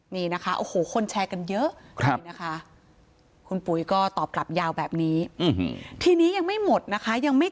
มีนะคะคนแชร์กันเยอะครับค่ะคุณปุ๊ก็ตอบกลับยาวแบบนี้ยังไม่หมดนะคะยังไม่